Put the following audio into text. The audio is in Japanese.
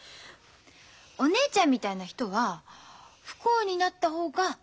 お姉ちゃんみたいな人は不幸になった方が幸せなんだ。